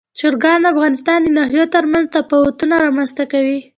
چرګان د افغانستان د ناحیو ترمنځ تفاوتونه رامنځ ته کوي.